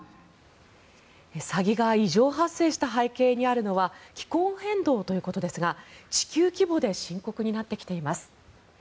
サギが異常発生した背景にあるのは気候変動ということですが地球規模で深刻になってきています。